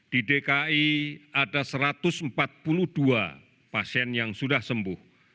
di dki ada satu ratus empat puluh dua pasien yang sudah sembuh